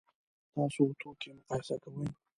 تاسو توکي مقایسه کوئ؟